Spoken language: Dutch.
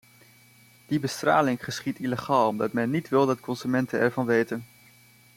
Die bestraling geschiedt illegaal omdat men niet wil dat consumenten ervan weten.